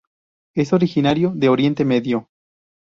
Es originario de Oriente Medio.